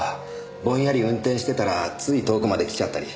ぼんやり運転してたらつい遠くまで来ちゃったり。